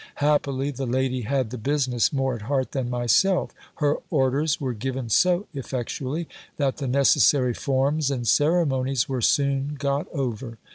Happily the lady had the business more at heart than myself; her orders were given so effectually, that the necessary forms and ceremonies were soon got over.